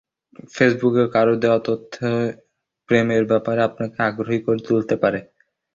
ফেসবুকে কারও দেওয়া তথ্য প্রেমের ব্যাপারে আপনাকে আগ্রাহী করে তুলতে পারে।